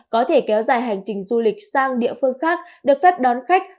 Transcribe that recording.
có thể kéo dài hành trình du lịch sang địa phương khác được phép đón khách